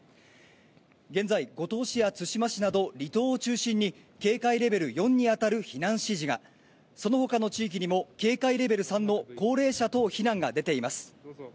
現在、五島市や対馬市など、離島を中心に、警戒レベル４に当たる避難指示が、そのほかの地域にも警戒レベル３の高齢者等避難が出ています。